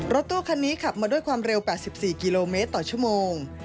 รถตู้คันนี้ขับมาด้วยความเร็ว๘๔กิโลเมตรต่อชั่วโมง